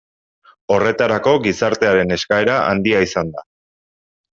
Horretarako gizartearen eskaera handia izan da.